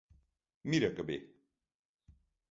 Mira que bé!